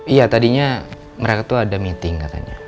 iya tadinya mereka tuh ada meeting katanya